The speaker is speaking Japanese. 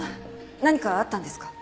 何かあったんですか？